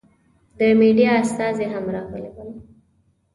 د مېډیا استازي هم راغلي ول.